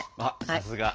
さすが！